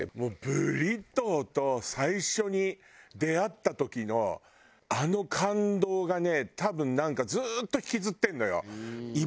ブリトーと最初に出会った時のあの感動がね多分なんかずーっと引きずってるのよ。